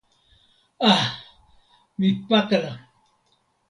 a! mi pakala!